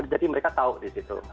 jadi mereka tahu di situ